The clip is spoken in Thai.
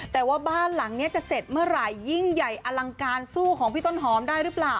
แต่ว่าบ้านหลังนี้จะเสร็จเมื่อไหร่ยิ่งใหญ่อลังการสู้ของพี่ต้นหอมได้หรือเปล่า